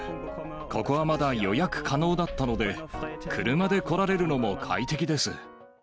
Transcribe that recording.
ここはまだ予約可能だったので、車で来られるのも快適です。